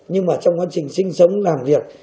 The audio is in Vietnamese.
nhưng mà trong quá trình sinh sống làm việc